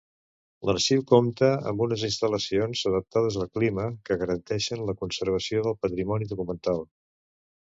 L'arxiu compta amb unes instal·lacions adaptades al clima que garanteixen la conservació del patrimoni documental.